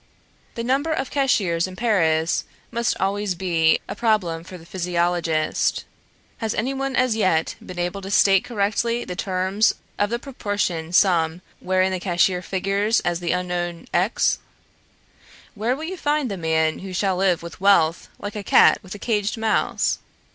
The number of cashiers in Paris must always be a problem for the physiologist. Has anyone as yet been able to state correctly the terms of the proportion sum wherein the cashier figures as the unknown x? Where will you find the man who shall live with wealth, like a cat with a caged mouse?